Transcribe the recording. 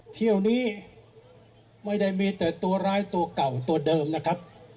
เที่ยวนี้ไม่ได้มีแต่ตัวร้ายตัวเก่าตัวเดิมนะครับ